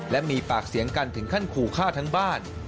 และมีปากเสียงกันถึงขั้นขู่ฆ่าทั้งบ้าน